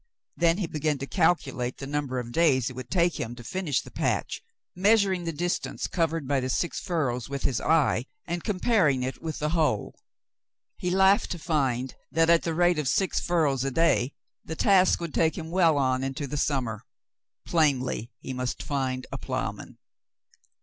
Then he began to calculate the number of days it would take him to finish the patch, measuring the distance covered by the six furrows with his eye, and comparing it with the whole. He laughed to find that, at the rate of six furrows a day, the task would take him well on into the summer. Plainly he must find a ploughman.